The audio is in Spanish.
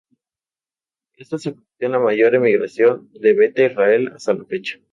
Esto se convirtió en la mayor emigración de Beta Israel hasta la fecha.